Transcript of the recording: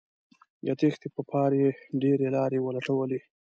د تېښتې په پار یې ډیرې لارې ولټولې